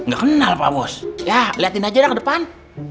gak kenal pak bos ya liatin aja udah ke depan